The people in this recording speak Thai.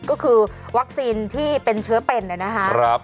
ก็คือวัคซีนที่เป็นเชื้อเป็นนะครับ